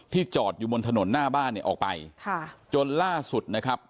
จอดอยู่บนถนนหน้าบ้านเนี่ยออกไปค่ะจนล่าสุดนะครับ